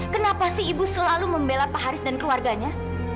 kenapa sih ibu selalu membela pak haris dan keluarganya